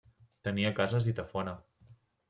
Tenia cases i tafona.